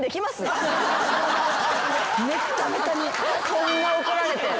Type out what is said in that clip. こんな怒られて。